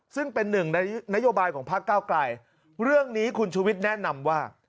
ซึ่งเป็นหนึ่งนโยบายของภักดิ์เก้ากลายเรื่องนี้คุณชูวิทย์แนะนำว่า